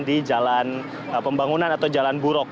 di jalan pembangunan atau jalan burok